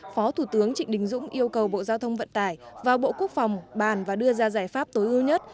phó thủ tướng trịnh đình dũng yêu cầu bộ giao thông vận tải và bộ quốc phòng bàn và đưa ra giải pháp tối ưu nhất